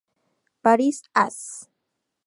Paris; Ass.